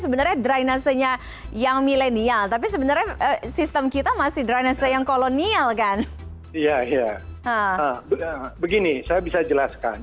begini saya bisa jelaskan